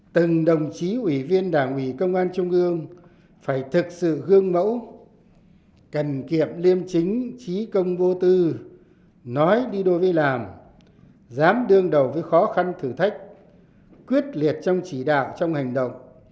từng đồng chí ủy viên đảng ủy công an trung ương phải thực sự gương mẫu cần kiệm liêm chính trí công vô tư nói đi đôi với làm dám đương đầu với khó khăn thử thách quyết liệt trong chỉ đạo trong hành động